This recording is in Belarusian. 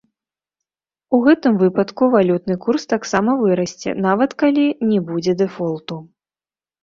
У гэтым выпадку валютны курс таксама вырасце, нават калі не будзе дэфолту.